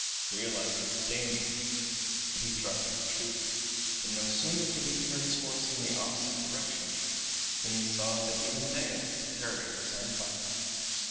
Realizing his danger he tried to retreat, but no sooner did he turn his horse in the opposite direction than he saw that even there the prairie was on fire.